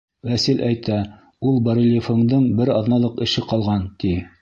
Вәсил әйтә, ул барельефыңдың бер аҙналыҡ эше ҡалған, ти.